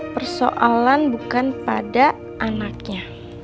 persoalan bukan pada anaknya